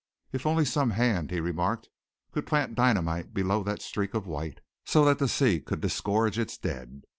"If only some hand," he remarked, "could plant dynamite below that streak of white, so that the sea could disgorge its dead!